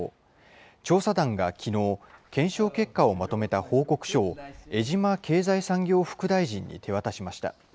調査団がきのう、検証結果をまとめた報告書を江島経済産業副大臣に手渡しました。